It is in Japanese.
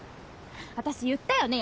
私言ったよね？